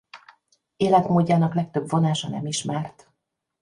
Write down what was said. Életmódjának legtöbb vonása nem ismert.